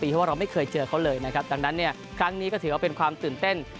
เพราะว่าเราไม่เคยเจอเขาเลยนะครับดังนั้นเนี่ยครั้งนี้ก็ถือว่าเป็นความตื่นเต้น